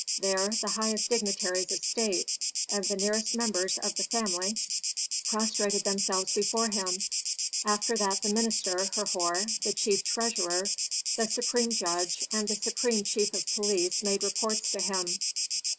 There the highest dignitaries of state, and the nearest members of the family prostrated themselves before him, after that the minister, Herhor; the chief treasurer, the supreme judge, and the supreme chief of police made reports to him.